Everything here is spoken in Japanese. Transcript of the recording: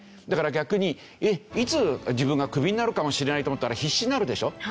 だから逆にいつ自分がクビになるかもしれないと思ったら必死になるでしょ？